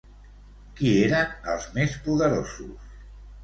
Qui eren els més poderosos?